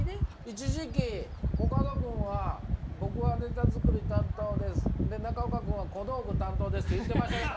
一時期コカド君は「僕はネタ作り担当ですで中岡君は小道具担当です」って言ってました！